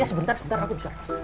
sebentar aku bisa